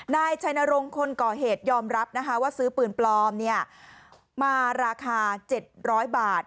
นายชายนรงค์คนก่อเหตุยอมรับนะคะว่าซื้อปืนปลอมเนี่ยมาราคาเจ็ดร้อยบาท